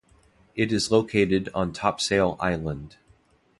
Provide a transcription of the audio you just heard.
It is located on Topsail Island.